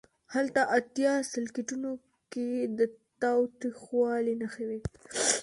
هلته اتیا سلکیټونو کې د تاوتریخوالي نښې وې.